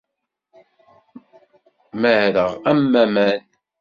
Mmareɣ am waman.